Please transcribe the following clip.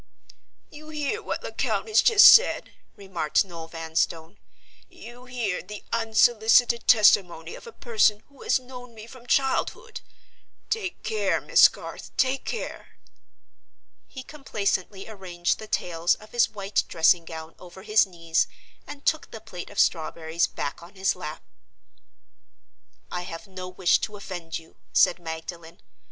"You hear what Lecount has just said?" remarked Noel Vanstone. "You hear the unsolicited testimony of a person who has known me from childhood? Take care, Miss Garth—take care!" He complacently arranged the tails of his white dressing gown over his knees and took the plate of strawberries back on his lap. "I have no wish to offend you," said Magdalen.